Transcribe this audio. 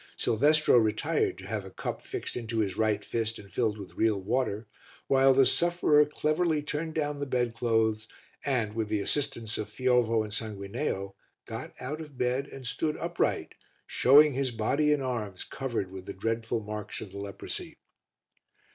Silvestro retired to have a cup fixed into his right fist and filled with real water, while the sufferer cleverly turned down the bedclothes and, with the assistance of Fiovo and Sanguineo, got out of bed and stood upright, showing his body and arms covered with the dreadful marks of the leprosy.